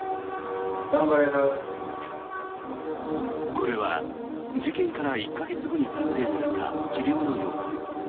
これは事件から１か月後に撮影された治療の様子。